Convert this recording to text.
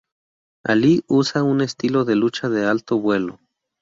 Ali usa un estilo de lucha de alto vuelo.